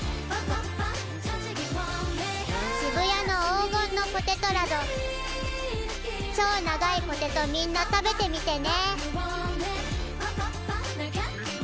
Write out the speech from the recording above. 「渋谷の黄金のポテトラド」「超長いポテトみんな食べてみてね」